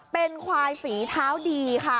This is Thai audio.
เป็นควายฝีเท้าดีค่ะ